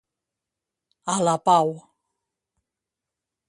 A la pau.